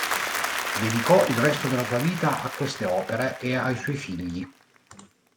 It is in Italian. Dedicò il resto della sua vita a queste opere e ai suoi figli.